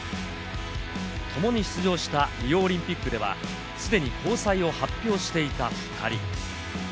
ともに出場したリオオリンピックでは既に交際を発表していた２人。